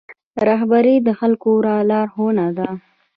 رهبري د خلکو لارښوونه ده